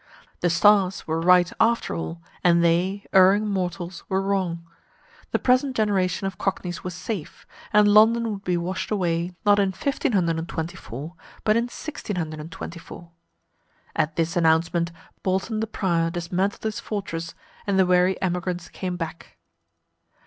The stars were right after all, and they, erring mortals, were wrong. The present generation of cockneys was safe, and London would be washed away, not in 1524, but in 1624. At this announcement, Bolton the prior dismantled his fortress, and the weary emigrants came back.